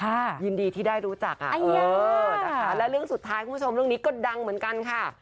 ยินดีที่ได้รู้จักอ่ะเออนะคะแล้วเรื่องสุดท้ายคุณผู้ชมเรื่องนี้ก็ดังเหมือนกันค่ะ